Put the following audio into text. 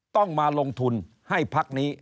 ต้องมาลงทุนให้พักนี้